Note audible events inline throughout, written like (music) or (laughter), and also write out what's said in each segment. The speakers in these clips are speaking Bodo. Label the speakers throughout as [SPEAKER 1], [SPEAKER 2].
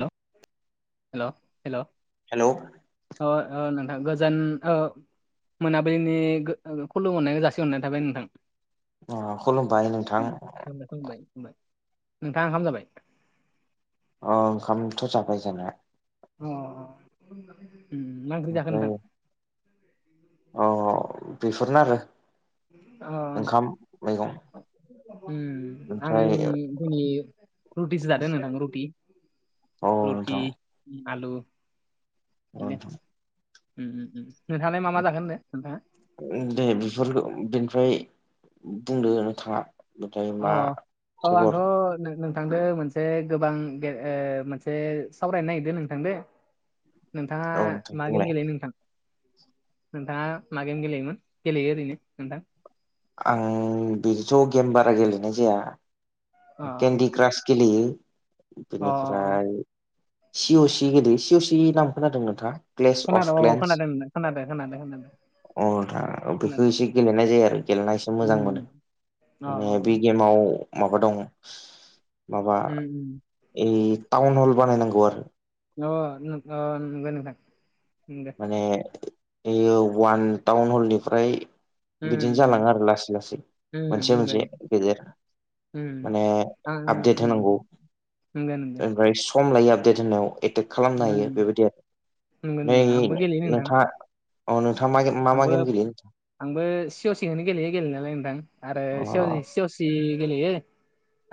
[SPEAKER 1] हेल हेल हेल,
[SPEAKER 2] हेल
[SPEAKER 1] औ औ नोंथां गोजान ओ मोनाबिलिनि खुलुम हरनायखो जासि हरनाय थाबाय नोंथां।
[SPEAKER 2] अऐ खुलुमबाय नोंथां।
[SPEAKER 1] नोंथांङा ओंखाम जाबाय?
[SPEAKER 2] ओ ओंखामथ' जाबाय जानाया।
[SPEAKER 1] अ'। मा ओंख्रि जाखो
[SPEAKER 2] ओमफ्राय
[SPEAKER 1] नोंथां?
[SPEAKER 2] अ बेफोरनो आरो
[SPEAKER 1] अ
[SPEAKER 2] ओंखाम मैगं
[SPEAKER 1] ओम आं
[SPEAKER 2] ओमफ्राय
[SPEAKER 1] दिनै रुटिसो जादों नोंथां आं रुटि
[SPEAKER 2] औ
[SPEAKER 1] रुटि
[SPEAKER 2] नोंथां
[SPEAKER 1] आलु
[SPEAKER 2] औ
[SPEAKER 1] बिदिनो ओम ओम नोंथाङाला मा मा जाखो? दे नोंथांङा।
[SPEAKER 2] दे बेफोरखौ बेनिफ्राय बुंदो नोंथांङा
[SPEAKER 1] अ औ आंथ' नोंथांदों मोनसे गोबां मोनसे सावरायनो नागिरदों नोंथांजों। नोंथांङा
[SPEAKER 2] औ नोंथां
[SPEAKER 1] मा गेम
[SPEAKER 2] बुंलाय
[SPEAKER 1] गेलेयो नोंथां? नोंथांङा मा गेम गेलेयोमोन गेलेयो ओरैनो नोंथां?
[SPEAKER 2] आं बिदिथ' गेम बारा गेलेनाय जाया
[SPEAKER 1] अ
[SPEAKER 2] केन्दि क्रास गेलेयो
[SPEAKER 1] अ
[SPEAKER 2] बेनिफ्राय, सिअ सि गेलेयो सिअ सि नाम खोनादों नोंथांङा?
[SPEAKER 1] खोनादों औ खोनादों नोंथां खोनादों खोनादों खोनादों
[SPEAKER 2] अ नोंथां बेखौ
[SPEAKER 1] खोनादों
[SPEAKER 2] एसे गेलेनाय जायो आरो गेलेना एसे मोजां मोनो।
[SPEAKER 1] उम अ
[SPEAKER 2] माने बे गेमाव माबा दं माबा
[SPEAKER 1] उम उम
[SPEAKER 2] ओ टाउन हल बानायनांगौ आरो।
[SPEAKER 1] अ अ नंगो नोंथां।
[SPEAKER 2] माने बेयो वान टाउन हलनिफ्राय
[SPEAKER 1] उम
[SPEAKER 2] बिदिनो
[SPEAKER 1] उम
[SPEAKER 2] जालांङो आरो लासै लासै
[SPEAKER 1] उम
[SPEAKER 2] मोनसे
[SPEAKER 1] नंगौ
[SPEAKER 2] मोनसे गदेर
[SPEAKER 1] उम
[SPEAKER 2] माने आपडेट होनांगौ।
[SPEAKER 1] नंगो नोंथां।
[SPEAKER 2] ओमफ्राय सम लायो आपडेट होनायाव एटेक खालामनो हायो
[SPEAKER 1] उम
[SPEAKER 2] बेबायदि आरो।
[SPEAKER 1] नंगौ
[SPEAKER 2] नै
[SPEAKER 1] नंगौ आंबो गेलेयो नोंथां
[SPEAKER 2] नोंथाङा मा मा
[SPEAKER 1] आंबो
[SPEAKER 2] गेम गेलेयो?
[SPEAKER 1] आंबो सिअ सिनखोनो गेलेयो गेलेनायालाय नोंथां आरो
[SPEAKER 2] अ
[SPEAKER 1] सि सिअ सि गेलेयो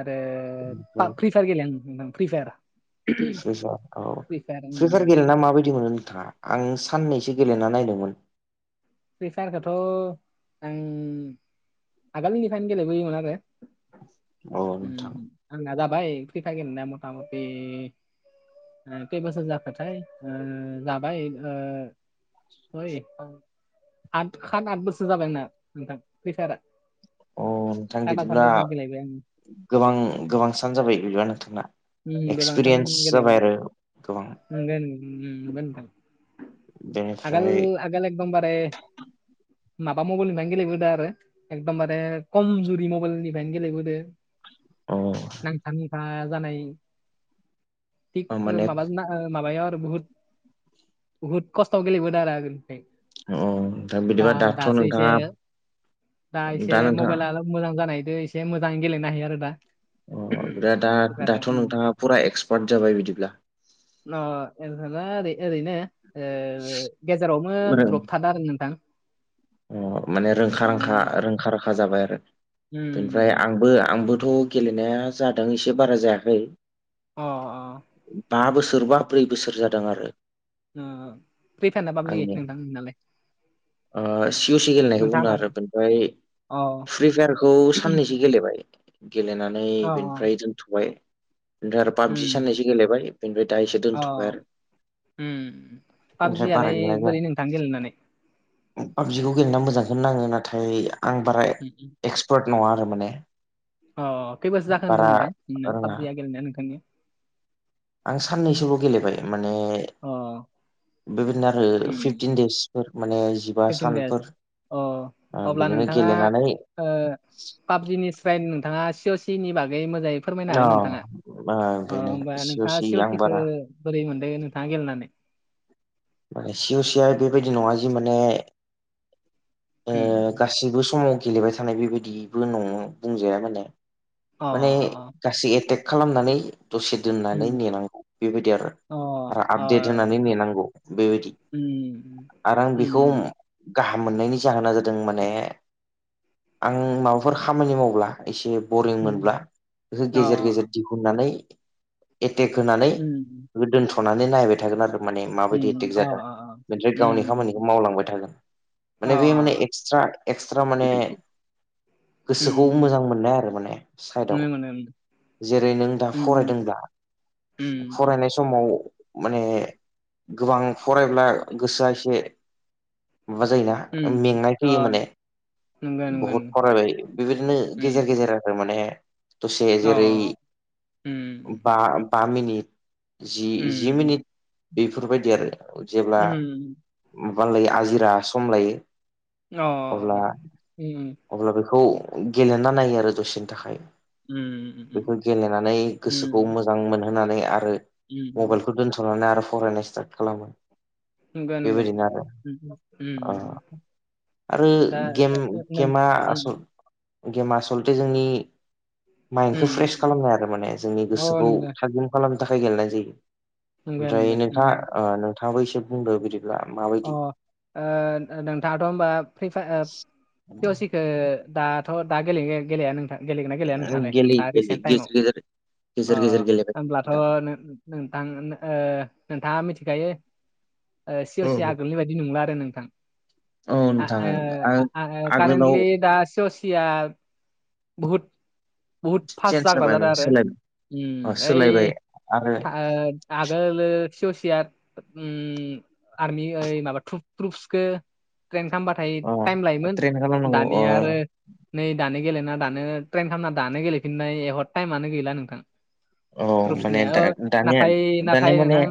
[SPEAKER 1] आरो
[SPEAKER 2] ओमफ्राय
[SPEAKER 1] फ्रि फायार गेले आं नोंथां फ्रि फायार
[SPEAKER 2] फार औ
[SPEAKER 1] फ्रि फायार
[SPEAKER 2] फ्रिफायार
[SPEAKER 1] उम
[SPEAKER 2] गेलेना माबायदि मोनो नोंथाङा आं साननैसो गेलेना नायदोंमोन
[SPEAKER 1] फ्रि फायारखौथ' आं आगोलनिफ्रायनो गेलेबोयोमोन आरो
[SPEAKER 2] औ नोंथां
[SPEAKER 1] आंना जाबाय फ्रिफायगोन होननाय मथा मथि खै बसोर जाखोथाय जाबाय (unintelligible) आद सात आथ बोसोर जाबायना नोंथां फैसारा
[SPEAKER 2] अ नोंथां बिदिब्ला
[SPEAKER 1] गेलेबाय आङो
[SPEAKER 2] गोबां सान जाबाय बिदिबा नोंथांना।
[SPEAKER 1] उम
[SPEAKER 2] एक्सपिरियेन्स जाबाय आरो गोबां।
[SPEAKER 1] बे
[SPEAKER 2] बेनिफ्राय
[SPEAKER 1] आगोल एदम बारे माबा मबेल लानो गेलेबोदों आरो एकदमबारे खमजुरि मबाइलनिफ्रायनो गेलेबोदो
[SPEAKER 2] अ
[SPEAKER 1] नांथा नांथा जानाय थिग
[SPEAKER 2] माने
[SPEAKER 1] माबा
[SPEAKER 2] अ
[SPEAKER 1] ना माबायाव आरो बुहुत बुहुत खस्थआव गेलेबोदों आरो आगोलनिफ्राय
[SPEAKER 2] नोंथां
[SPEAKER 1] दा
[SPEAKER 2] बिदिबा दाथ'
[SPEAKER 1] दसे इसे
[SPEAKER 2] नोंथाङा
[SPEAKER 1] दा इसे मबाइल आल मोजां जानायदो एसे मोजाङै गेलेनो हायो आरो दा
[SPEAKER 2] अ ओमफ्राय दा
[SPEAKER 1] गथ'फ्रानो।
[SPEAKER 2] दाथ'
[SPEAKER 1] उम।
[SPEAKER 2] नोंथाङा फुरा एक्सपार्ट जाबाय बिदिब्ला
[SPEAKER 1] (unintelligible) ओ ओरैनो ओ गेजेरावनो द्रप थादों आरो नोंथां
[SPEAKER 2] अ माने रोंखा
[SPEAKER 1] ओ
[SPEAKER 2] रोंखा रोंखा राखा जाबाय आरो बेनिफ्राय
[SPEAKER 1] उम
[SPEAKER 2] आंबो आंबोथ' गेलेनाया जादों एसे बारा जायाखै
[SPEAKER 1] अ अ
[SPEAKER 2] बा बोसोर बा ब्रै बोसोर जादों आरो
[SPEAKER 1] ओ फैथारना माबादि जायो
[SPEAKER 2] आंनिया
[SPEAKER 1] नोंथां नोंनालाय?
[SPEAKER 2] ओ सिअ सि गेलेनायखौ
[SPEAKER 1] नोंथाङा
[SPEAKER 2] बुंदों आरो
[SPEAKER 1] मागोन
[SPEAKER 2] बेनिफ्राय
[SPEAKER 1] अ
[SPEAKER 2] फ्रि फायारखौ साननसो गेलेबाय गेलेनानै
[SPEAKER 1] अ
[SPEAKER 2] बिनिफ्राय दोनथ'बाय ओमफ्राय आरो
[SPEAKER 1] उम
[SPEAKER 2] पाबजि सानैसो गेलेबाय बेनिफ्राय दा एसे दोनथ'बाय
[SPEAKER 1] अ
[SPEAKER 2] आरो ओमफ्राय बारा
[SPEAKER 1] पाबजियालाय
[SPEAKER 2] गेलेनाय
[SPEAKER 1] बोरै
[SPEAKER 2] जाया
[SPEAKER 1] नोंथां गेलेनानै
[SPEAKER 2] पाबजिखौ गेलेना मोजांखौ नाङो नाथाय आं बारा
[SPEAKER 1] उम
[SPEAKER 2] एक्सपार्ट नङा आरो माने
[SPEAKER 1] अ खैबारासो जाखोन होनदों
[SPEAKER 2] बारा
[SPEAKER 1] नोंथां नों
[SPEAKER 2] रोङा
[SPEAKER 1] पाबजिया गेलेनाया नोंथांनिया
[SPEAKER 2] आं साननैसोबो गेलेबाय माने
[SPEAKER 1] अ
[SPEAKER 2] बिन आरो
[SPEAKER 1] उम
[SPEAKER 2] फिफटिन दसफोर माने एबा
[SPEAKER 1] फिफटिन देस
[SPEAKER 2] सानफोर बिदिनो गेलेनानै
[SPEAKER 1] पाबजिनिफ्राय नोंथाङा सि अ सि नि बागै मोजाङै फोरमायनो
[SPEAKER 2] अ
[SPEAKER 1] हागोन नोंथाङा
[SPEAKER 2] ओ
[SPEAKER 1] अ
[SPEAKER 2] बेनो
[SPEAKER 1] होनोमबा
[SPEAKER 2] सिअ
[SPEAKER 1] नोंथाङा
[SPEAKER 2] सि आं
[SPEAKER 1] सिवलटििखौो
[SPEAKER 2] बारा
[SPEAKER 1] बोरै मोनदों नोंथाङा गेलेनानै
[SPEAKER 2] माने सि असेया बेबायदि नङा जि माने
[SPEAKER 1] उम
[SPEAKER 2] गाससिबो समाव गेलेबाय थानाय बेबायदिबो नङा बुंजाया माने
[SPEAKER 1] अ
[SPEAKER 2] माने
[SPEAKER 1] अ अ
[SPEAKER 2] गासै एटेक खालामनानै दसे दोननानै
[SPEAKER 1] उम
[SPEAKER 2] नेनांगौ बेबायदि आरो
[SPEAKER 1] अ अ
[SPEAKER 2] आपडेट होनानै नेनांगौ बेबायदि
[SPEAKER 1] उम
[SPEAKER 2] आरो आं
[SPEAKER 1] उम
[SPEAKER 2] बेखौ गाहाम मोननायनि जाहोना जादों माने आं माबाफोर खामानि मावब्ला एसे बरिं
[SPEAKER 1] उम
[SPEAKER 2] मोनब्ला बेखौ
[SPEAKER 1] अ
[SPEAKER 2] गेजेर गेजेर दिहुननानै एटेक होनानै
[SPEAKER 1] उम
[SPEAKER 2] दोनथ'नानै नायबाय थागोन आरो माने मा माबायदि
[SPEAKER 1] उम
[SPEAKER 2] एटेक
[SPEAKER 1] अ
[SPEAKER 2] जादों
[SPEAKER 1] अ
[SPEAKER 2] बेनिफ्राय गावनि
[SPEAKER 1] उम
[SPEAKER 2] खामानिखौ मावलांबाय थागोन
[SPEAKER 1] अ
[SPEAKER 2] माने बे माने एक्सरा एक्सरा माने
[SPEAKER 1] उम
[SPEAKER 2] गोसोखौ
[SPEAKER 1] उम
[SPEAKER 2] मोजां मोननाय आरो माने
[SPEAKER 1] नुनो
[SPEAKER 2] साइदआव
[SPEAKER 1] मोनो उम
[SPEAKER 2] जेरै नों दा फरायदोंब्ला
[SPEAKER 1] उम उम
[SPEAKER 2] फरायनाय समाव माने गोबां फरायब्ला गोसोआ एसे माबा जायोना
[SPEAKER 1] उम
[SPEAKER 2] मेंनाय
[SPEAKER 1] अ
[SPEAKER 2] फैयो माने
[SPEAKER 1] नंगौ नंगौ
[SPEAKER 2] बहुद
[SPEAKER 1] नंगौ
[SPEAKER 2] फरायबाय बेबायदिनो गेजेर
[SPEAKER 1] उम
[SPEAKER 2] गेजेर आरो माने दसे
[SPEAKER 1] अ
[SPEAKER 2] जेरै
[SPEAKER 1] उम
[SPEAKER 2] बा बा मिनिट जि जि मिनिट बेफोरबायदि आरो जेब्ला माबालायो आजिरा सम लायो
[SPEAKER 1] अ
[SPEAKER 2] अब्ला अब्ला बेखौ गेलेना नायो आरो दसेनि थाखाय बेखौ गेलेनानै गोसोखौ मोजां मोनहोनानै आरो मबाइलखौ दोनथ' सनानै आरो फरायनाय स्टार्ट खालामो
[SPEAKER 1] गानो
[SPEAKER 2] बेबायदिनो आरो
[SPEAKER 1] गानो
[SPEAKER 2] ओ आरो गेम गेमा आसल गेमा आसलथे जोंनि माइन्डखौ फ्रेस खालामनाय आरो माने जोंनि गोसोखौ थागिम खालामनो थाखाय गेलेनाय जायो ओमफ्राय
[SPEAKER 1] नंगौ. उम,
[SPEAKER 2] नोंथाङा नोंथाङाबो एसे बुंदो बिदिब्ला माबा
[SPEAKER 1] अ ओ नोंथाङाथ' होमबा फै ओ दाथ' दा गे गेलेया नों गेलेगोना गेलेया नोंथांलाय
[SPEAKER 2] गेले
[SPEAKER 1] दा
[SPEAKER 2] गेले
[SPEAKER 1] रिसेन्ट टाइमाव
[SPEAKER 2] गेजेर गेजेर
[SPEAKER 1] अ
[SPEAKER 2] गेजेर गेजेर गेलेबाय
[SPEAKER 1] होमब्लाथ'
[SPEAKER 2] थायो
[SPEAKER 1] नोंथां नोंथाङा मिथिखायो ए
[SPEAKER 2] नोंथां
[SPEAKER 1] आगोलनि बायदि नंला आरो नोंथां
[SPEAKER 2] औ नोंथां आं
[SPEAKER 1] (unintelligible)
[SPEAKER 2] आगोलाव
[SPEAKER 1] कारेनलि दा सिया बहुद बुहुद फास्ट
[SPEAKER 2] चेन्ज
[SPEAKER 1] जाग्रा जादों
[SPEAKER 2] जाबायमोन
[SPEAKER 1] आरो
[SPEAKER 2] सोलायबाय सोलायबाय
[SPEAKER 1] ओइ
[SPEAKER 2] आरो
[SPEAKER 1] ओ आगोलो सेवसेया आरमि ओइ माबा रुफसखौ ट्रेन खालामबा थाय टाइम
[SPEAKER 2] अ
[SPEAKER 1] लायोमोन
[SPEAKER 2] ट्रेन खालामनांगौ अ
[SPEAKER 1] दानिया आरो नै दानो गेलेना दानो ट्रेन खालामना दानो गेलेफिननाय एहर टाइमानो गैला नोंथां
[SPEAKER 2] औ माने
[SPEAKER 1] द्रुसनिया
[SPEAKER 2] दा दानिया
[SPEAKER 1] नाथाय
[SPEAKER 2] दानिया
[SPEAKER 1] नाथाय
[SPEAKER 2] माने
[SPEAKER 1] नोंथां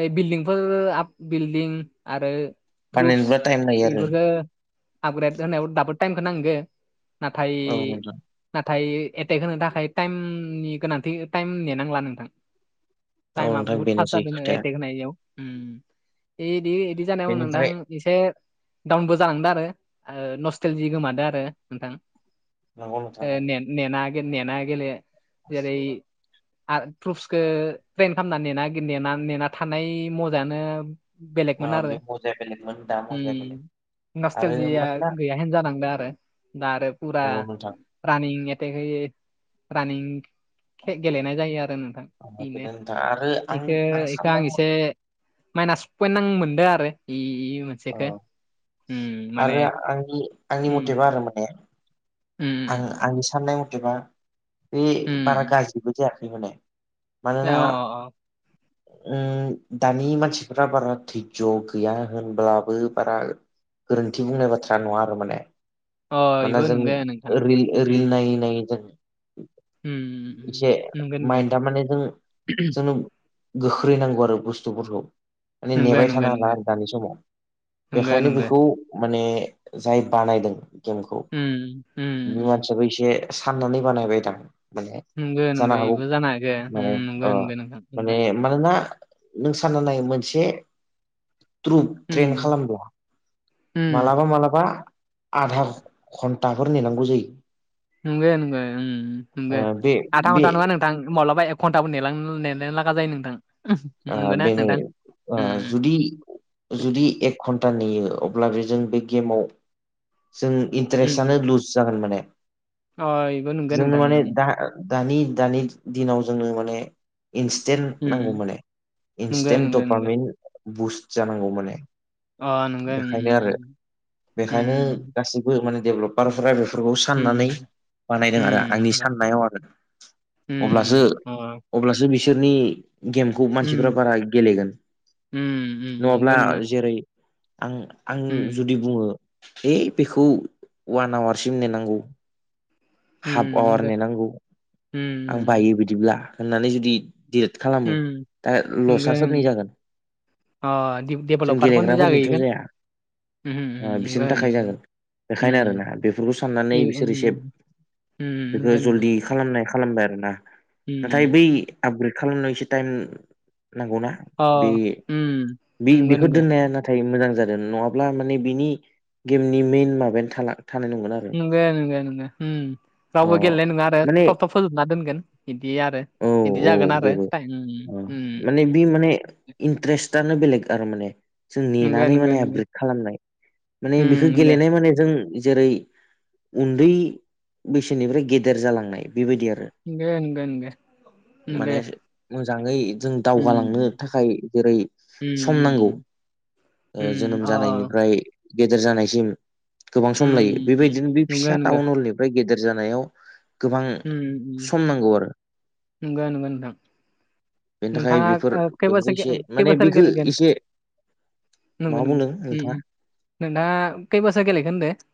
[SPEAKER 1] बे बिल्डिंफोर आ बिल्डिं आरो प्र्रुपस
[SPEAKER 2] बानायनोब्ला टाइम लायो आरो
[SPEAKER 1] बेफोरखो आपग्रेड होनायाव दाबो टाइमखौ नांगो नाथाय
[SPEAKER 2] औ नोंथां
[SPEAKER 1] नाथाय एटेक होनो थाखाय टाइमनि गोनांथि टाइम नेेनांला नोंथां
[SPEAKER 2] औ
[SPEAKER 1] टाइमा
[SPEAKER 2] नोंथां
[SPEAKER 1] बुहुत फास
[SPEAKER 2] बेनोसै
[SPEAKER 1] जादों
[SPEAKER 2] खोथाया
[SPEAKER 1] एटेक होनायायाव बिदि बिदि जानायाव नोंथां
[SPEAKER 2] बेनिफ्राय
[SPEAKER 1] एसे डाउनबो जालांदों आरो नस्टेलजि गोमादो आरो नोंथां
[SPEAKER 2] नंगौ नोंथां औ
[SPEAKER 1] ने नेना गेल नेना गेले जेरै आरो प्र्रुफसखौ ट्रेन खालामना नेनाना नेना थानाय मजानो बेलेगमोन
[SPEAKER 2] ओ
[SPEAKER 1] आरो
[SPEAKER 2] बे मजाया बेलेगमोन दा मजाया बेलेग आरो
[SPEAKER 1] नस्टेल जिया
[SPEAKER 2] मानोना
[SPEAKER 1] गैयाहनो जानांदों आरो दा आरो फुरा
[SPEAKER 2] औ नोंथां
[SPEAKER 1] रानिं ए ग रानिं गेलेनाय जायो आरो नोंथां
[SPEAKER 2] औ
[SPEAKER 1] बेनो
[SPEAKER 2] नोंथां आरो आं
[SPEAKER 1] बेखौ बेखौ आं
[SPEAKER 2] साननाय
[SPEAKER 1] एसे माइनास पइन्ट आं मोनदों आरो इ मोन
[SPEAKER 2] अ आरो आंनि आंनि
[SPEAKER 1] उम
[SPEAKER 2] मथेबा आरो माने
[SPEAKER 1] उम
[SPEAKER 2] आं आंनि साननाय मथेबा बे
[SPEAKER 1] उम
[SPEAKER 2] बारा
[SPEAKER 1] उम
[SPEAKER 2] गाज्रिबो जायाखै माने
[SPEAKER 1] अ
[SPEAKER 2] मानोना
[SPEAKER 1] (inaudible)
[SPEAKER 2] उम दानि मानसिफ बारा धैज' गैया होनब्लाबो बारा गोरोन्थि बुंनाय बाथ्रा नङा आरो माने
[SPEAKER 1] अ इब
[SPEAKER 2] मानोना
[SPEAKER 1] नोंगाय
[SPEAKER 2] जों रिल रिल नायै नायै जों इसे
[SPEAKER 1] नंगौ नंगौ
[SPEAKER 2] माइन्डा माने जों जोंनो गोख्रैनांगौ आरो बुस्थुफोरखौ माने
[SPEAKER 1] नंगौ
[SPEAKER 2] नेबाय थानो हाला आरो दानि समाव
[SPEAKER 1] नंगौ
[SPEAKER 2] बेखायनो
[SPEAKER 1] नंगौ
[SPEAKER 2] बेखौ माने जाय बानायदों गेमखौ
[SPEAKER 1] उम होम
[SPEAKER 2] बे मानसियाबो एसे साननानै बानायबाय दां माने
[SPEAKER 1] नंगौ नंगौ
[SPEAKER 2] जानो हागौ
[SPEAKER 1] बेबो जानो हागौ
[SPEAKER 2] माने
[SPEAKER 1] नंगौ
[SPEAKER 2] ओ
[SPEAKER 1] नंगौ नोंथां
[SPEAKER 2] माने मानोना नों सानना नाय मोनसे ट्रु ट्रें
[SPEAKER 1] नंगौ
[SPEAKER 2] खालामदों मालाबा मालाबा आधा घन दाहर नेनांगौ जायो।
[SPEAKER 1] नोगो नोंगो ऐम
[SPEAKER 2] ओ
[SPEAKER 1] नोंगो
[SPEAKER 2] बे
[SPEAKER 1] आथा
[SPEAKER 2] बे
[SPEAKER 1] गनथा नङा नों था माब्लाबा एक घन्टाबोनो नेलांनो नेनो लागा जायो नोंथां।
[SPEAKER 2] आ
[SPEAKER 1] नंगौना
[SPEAKER 2] बे
[SPEAKER 1] नोंथां
[SPEAKER 2] नोङो
[SPEAKER 1] उम
[SPEAKER 2] जुदि जुदि एक घन्टा नेयो अब्ला बेजों बे गेमाव जों
[SPEAKER 1] उम उम
[SPEAKER 2] इन्टारेस्टआनो लुज जागोन माने
[SPEAKER 1] अ बेबो नंगौ
[SPEAKER 2] जों
[SPEAKER 1] नोंथां
[SPEAKER 2] माने दा
[SPEAKER 1] उम
[SPEAKER 2] दानि दानि दिनाव जोंनो माने इन्सटेन्ट नांगौ
[SPEAKER 1] उम
[SPEAKER 2] माने।
[SPEAKER 1] नंगौ
[SPEAKER 2] इन्स्टेन्ट
[SPEAKER 1] नंगौ नंगौ
[SPEAKER 2] टपामेन्ट बुस्ट जानांगौ माने।
[SPEAKER 1] अ नंगौ
[SPEAKER 2] बेखायनो आरो बेखायनो
[SPEAKER 1] उम
[SPEAKER 2] गासैबो माने डेभेलप बारफोरा बेफोरखौ
[SPEAKER 1] उम
[SPEAKER 2] साननानै बानायदों आरो आंनि
[SPEAKER 1] उम
[SPEAKER 2] साननायाव आरो। अब्लासो
[SPEAKER 1] उम उम अ
[SPEAKER 2] अब्लासो बिसोरनि गेम खौ मानसिफ्रा
[SPEAKER 1] उम
[SPEAKER 2] बारा गेलेगोन
[SPEAKER 1] उम उम नंगौ
[SPEAKER 2] नङाब्ला
[SPEAKER 1] नंगौ
[SPEAKER 2] जेरै आं आं
[SPEAKER 1] उम
[SPEAKER 2] जुदि बुङो है बेखौ अवान आवारसिम नेनांगौ
[SPEAKER 1] उम
[SPEAKER 2] हाफ आवार
[SPEAKER 1] नंगौ
[SPEAKER 2] नेनांगौ आं
[SPEAKER 1] उम
[SPEAKER 2] बायो बि दिब्ला होननानै जुदि डियेट खालामो
[SPEAKER 1] उम
[SPEAKER 2] दा
[SPEAKER 1] नंगौ
[SPEAKER 2] लसआ सोरनि जागोन
[SPEAKER 1] अ
[SPEAKER 2] जों
[SPEAKER 1] डेभेलपारफोरनि
[SPEAKER 2] गेलेग्राफोरनिथ'
[SPEAKER 1] जाहैगोन
[SPEAKER 2] जाया।
[SPEAKER 1] उम
[SPEAKER 2] ओ
[SPEAKER 1] नंगौ
[SPEAKER 2] बिसोरनि थाखाय जागोन बेखायनो आरो
[SPEAKER 1] उम
[SPEAKER 2] ना बेफोरखौ साननानै बिसोर एसे
[SPEAKER 1] उम उम
[SPEAKER 2] बेखौ
[SPEAKER 1] नोंगो नोंगो।
[SPEAKER 2] जल्दि खालामनाय खालामबाय आरोना नाथाय बै आपग्रेद खालामनायाव एसे टाइम नांगौना
[SPEAKER 1] अ
[SPEAKER 2] बे
[SPEAKER 1] उम
[SPEAKER 2] बे
[SPEAKER 1] नंगौ
[SPEAKER 2] बेखौ
[SPEAKER 1] नंगौ
[SPEAKER 2] दोननायनो थाय मोजां जादों नङाब्ला माने बिनि गेमनि मेइन माबायानो थाला थानाय नंगोना
[SPEAKER 1] नोंगो नोंगो होम।
[SPEAKER 2] अ
[SPEAKER 1] रावबो गेलेनाय नङा आरो
[SPEAKER 2] माने
[SPEAKER 1] थब थब फोजोबना दोनगोन इदि आरो।
[SPEAKER 2] औ
[SPEAKER 1] बिदि
[SPEAKER 2] औ
[SPEAKER 1] जागोन आरो
[SPEAKER 2] बेबो
[SPEAKER 1] टाइमनि
[SPEAKER 2] ओ
[SPEAKER 1] उम
[SPEAKER 2] माने बि माने इन्ट्रेस्टानो बेलेग आरो माने जों
[SPEAKER 1] नंगो
[SPEAKER 2] नेनानै
[SPEAKER 1] नंगो
[SPEAKER 2] माने
[SPEAKER 1] नंगो
[SPEAKER 2] आपग्रेद खालामनाय माने
[SPEAKER 1] उम
[SPEAKER 2] बेखौ
[SPEAKER 1] नंगो
[SPEAKER 2] गेलेनाय माने जों जेरै उन्दै बैसोनिफ्राय गेदेर जालांनाय बेबायदि आरो
[SPEAKER 1] नोंगो नोंगो नोंगो नोंगो।
[SPEAKER 2] माने मोजाङै जों दावगालांनो थाखाय जेरै
[SPEAKER 1] उम
[SPEAKER 2] सम नांगौ
[SPEAKER 1] उम
[SPEAKER 2] ओ
[SPEAKER 1] उम
[SPEAKER 2] जोनोम
[SPEAKER 1] अ अ
[SPEAKER 2] जानायनिफ्राय गेदेर जानायसिम गोबां
[SPEAKER 1] उम
[SPEAKER 2] सम लायो बेबायदिनो बे
[SPEAKER 1] नंगो
[SPEAKER 2] फिसा
[SPEAKER 1] नंगो
[SPEAKER 2] टाउन हलनिफ्राय गेदेर जानायाव गोबां
[SPEAKER 1] उम उम
[SPEAKER 2] सम नांगौ आरो
[SPEAKER 1] नोंगो नोंगो नोंथां।
[SPEAKER 2] बेनि थाखाय
[SPEAKER 1] नोंथाङा
[SPEAKER 2] बेफोर
[SPEAKER 1] खै
[SPEAKER 2] बेफोरखौ
[SPEAKER 1] बोसोर
[SPEAKER 2] एसे
[SPEAKER 1] खै
[SPEAKER 2] माने
[SPEAKER 1] बेसोर
[SPEAKER 2] बेखौ
[SPEAKER 1] गेलेगोन?
[SPEAKER 2] एसे मा
[SPEAKER 1] नोंगो नोंगो
[SPEAKER 2] बुंदों
[SPEAKER 1] उम
[SPEAKER 2] नोंथाङा
[SPEAKER 1] उम। नोंथाङा खै बोसोर गेलेगोन होनदों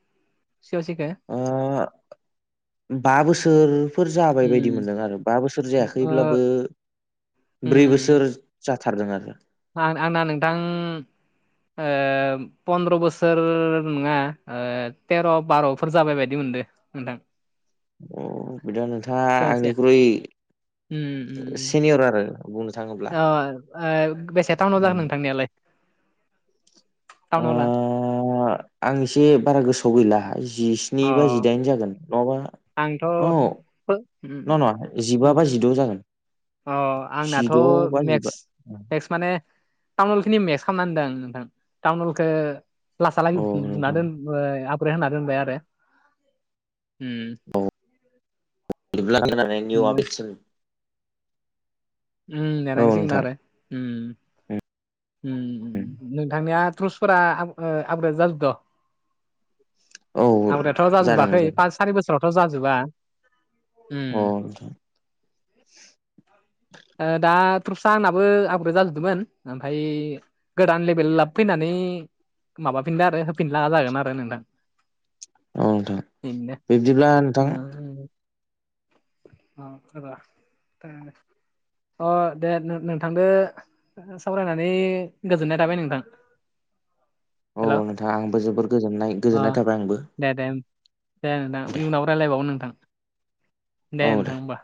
[SPEAKER 1] सि अ सिखो?
[SPEAKER 2] ओ बा बोसोर फोर जाबाय बायदि
[SPEAKER 1] उम
[SPEAKER 2] मोन्दों आरो बा बोसोर
[SPEAKER 1] ओ
[SPEAKER 2] जायाखैब्लाबो ब्रै बोसोर जाथारदों आरो
[SPEAKER 1] आ आंना नोंथां ओ पन्द्र' बोसोर नङा थेर' बार'फोर जाबाय बायदि मोनदो। नोंथां।
[SPEAKER 2] अ बिदा नोंथाङा
[SPEAKER 1] सासेया
[SPEAKER 2] आंनिख्रुइ
[SPEAKER 1] उम उम उम
[SPEAKER 2] सिनियर आरो बुंनो थाङोब्ला
[SPEAKER 1] अ ओ बेसे टाउनाव जाखो नोंथांनियालाय (unintelligible)
[SPEAKER 2] ओ आं एसे बारा गोसोआव गैला जि जिस्नि
[SPEAKER 1] अ
[SPEAKER 2] बा जिदाइन जागोन नङाबा
[SPEAKER 1] आंथ'
[SPEAKER 2] औ
[SPEAKER 1] (unintelligible)
[SPEAKER 2] नङा - नङा जिबा बा जिद' जागोन।
[SPEAKER 1] अ आंनाथ'
[SPEAKER 2] जिद' बा
[SPEAKER 1] नेक्स
[SPEAKER 2] जिबा
[SPEAKER 1] नेक्स माने टाउनहल खिनि मेक्स खालामना दोनदों आं नोंथां। टाउनहलखो क्लासा लागै
[SPEAKER 2] औ
[SPEAKER 1] बुना
[SPEAKER 2] नोंथां
[SPEAKER 1] दोन आबग्रेट होना दोनबाय आरो उम।
[SPEAKER 2] औ बिदिब्ला होनानै निउ आबेसिन
[SPEAKER 1] उम
[SPEAKER 2] औ
[SPEAKER 1] नेनांसिगोन
[SPEAKER 2] नोंथां
[SPEAKER 1] आरो उम उम नोंथांनिया त्रुसफोरा आप ओ आपग्रेड जाजोबदो?
[SPEAKER 2] औ
[SPEAKER 1] आबग्रेथ'
[SPEAKER 2] जादों
[SPEAKER 1] जाजोबाखै
[SPEAKER 2] जादों
[SPEAKER 1] पास सारि बोसोरावथ' जाजोबा
[SPEAKER 2] अ
[SPEAKER 1] उम
[SPEAKER 2] नोंथां
[SPEAKER 1] ओ दा (unintelligible) आंनाबो आपग्रेड जाजोबदोंमोन ओमफ्राय गोदान लेबेल लाबो फैनानै माबाफिनला आरो होफिनला जागोन आरो नोंथां
[SPEAKER 2] औ नोंथां
[SPEAKER 1] बिदिनो
[SPEAKER 2] बिब्दिब्ला नोंथां
[SPEAKER 1] (unintelligible) अ दे नों- नोंथांदो सावरायनानै गोजोननाय थाबाय नोंथां।
[SPEAKER 2] औ,
[SPEAKER 1] हेल'
[SPEAKER 2] नोंथाङा आंबो जोबोर गोजोननाय -
[SPEAKER 1] अ
[SPEAKER 2] गोजोननाय थाबाय आंबो।
[SPEAKER 1] दे दे दे नोंथां
[SPEAKER 2] दे
[SPEAKER 1] इयुनाव रायज्लायबावगोन नोंथां। दे नोंथां होमबा।